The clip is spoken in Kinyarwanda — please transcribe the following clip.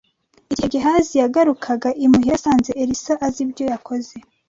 Igihe Gehazi yagarukaga imuhira yasanze Elisa azi ibyo yakoze